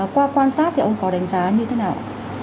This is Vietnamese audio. qua quan sát thì ông có đánh giá như thế nào ạ